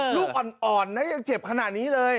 ลูกอ่อนนะยังเจ็บขนาดนี้เลย